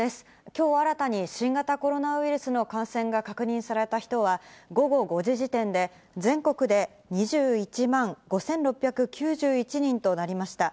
きょう新たに新型コロナウイルスの感染が確認された人は、午後５時時点で、全国で２１万５６９１人となりました。